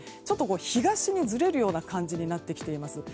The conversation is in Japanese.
東にずれるような感じになってきています。